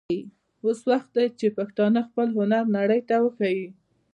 اوس وخت دی چې پښتانه خپل هنر نړۍ ته وښايي.